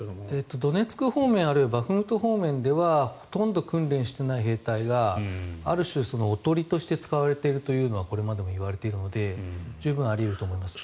ドネツク方面あるいはバフムト方面ではほとんど訓練してない兵士がある種、おとりとして使われているというのは今までも言われているので十分あり得ると思います。